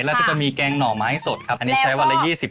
แล้วก็จะมีแกงหน่อไม้สดครับอันนี้ใช้วันละ๒๐